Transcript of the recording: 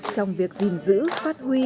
trong việc gìn giữ phát huy